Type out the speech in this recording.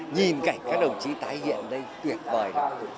nhìn cảnh các đồng chí tái hiện đây tuyệt vời